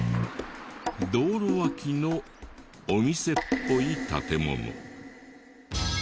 道路脇のお店っぽい建物。